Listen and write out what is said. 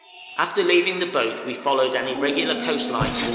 } After leaving the boat we followed an irregular coast line to the N.